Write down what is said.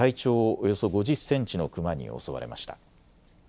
およそ５０センチのクマに襲われました。